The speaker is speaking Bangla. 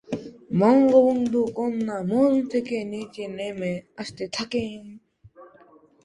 বঙ্গবন্ধু কন্যা মঞ্চ থেকে নিচে নেমে আসতে থাকেন।